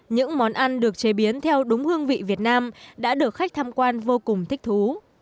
những món ăn được chế biến theo đúng hương vị việt nam đã được khách tham quan vô cùng thích thú